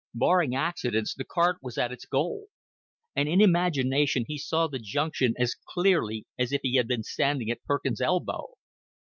Barring accidents, the cart was at its goal; and in imagination he saw the junction as clearly as if he had been standing at Perkins' elbow.